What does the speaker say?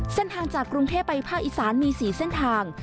เส้นทางจากกรุงเทพไปภาคอีสานมี๔เส้นทาง